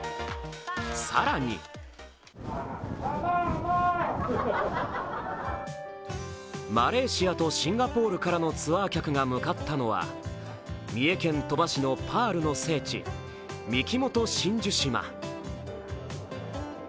更にマレーシアとシンガポールからのツアー客が向かったのは三重県鳥羽市のパールの聖地ミキモト真珠島。